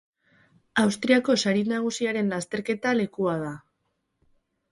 Austriako Sari Nagusiaren lasterketa lekua da.